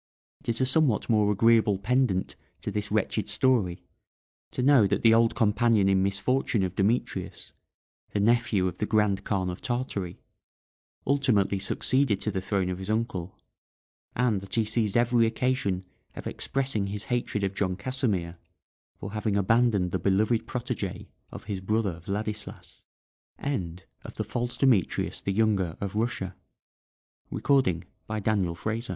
It is a somewhat more agreeable pendant to this wretched story to know that the old companion in misfortune of Demetrius, the nephew of the Grand Khan of Tartary, ultimately succeeded to the throne of his uncle, and that he seized every occasion of expressing his hatred of John Casimir for having abandoned the beloved protégé of his brother Vladislas. THE FALSE ZAGA CHRIST, OF ABYSSINIA. A.D.1635. The extremely romantic and improbable story of this _